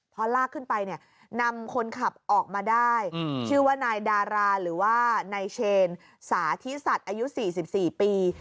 พอลากขึ้นไปเนี่ยนำคนขับออกมาได้ชื่อว่านายดาราหรือว่านายเชนสาธิสัตว์อายุ๔๔ปี